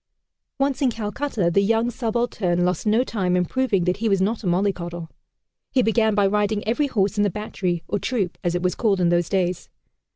Once in Calcutta, the young subaltern lost no time in proving that he was not a mollycoddle. He began by riding every horse in the battery, or "troop," as it was called in those days.